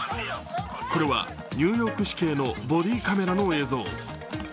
これはニューヨーク市警のボディーカメラの映像。